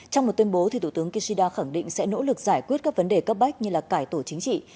trong một tuyên bố thủ tướng kishida khẳng định sẽ nỗ lực giải quyết các vấn đề cấp bách như cải tổ chính trị